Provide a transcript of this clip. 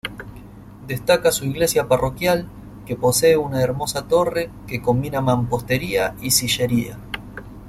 Destaca su iglesia parroquial, que posee una hermosa torre que combina mampostería y sillería.